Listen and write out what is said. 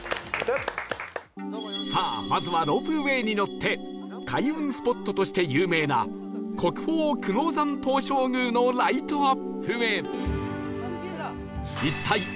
さあまずはロープウェイに乗って開運スポットとして有名な国宝久能山東照宮のライトアップへ